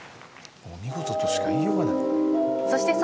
見事としか言いようがない。